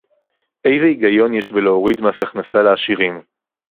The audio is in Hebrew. איזה היגיון יש בלהוריד מס הכנסה לעשירים